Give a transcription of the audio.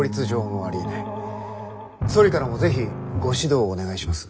総理からも是非ご指導をお願いします。